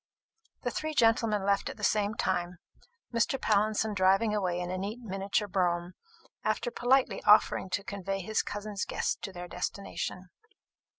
The three gentlemen left at the same time, Mr. Pallinson driving away in a neat miniature brougham, after politely offering to convey his cousin's guests to their destination.